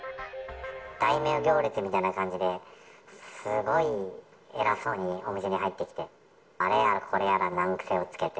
大名行列みたいな感じで、すごい偉そうにお店に入ってきて、あれやらこれやら難癖つけて。